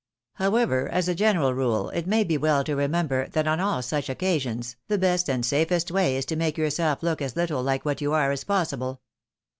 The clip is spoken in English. However, as a general rule, it may be well to remember, that on all such occasions, the best and safest way is to make yourself look as little like what you are as possible.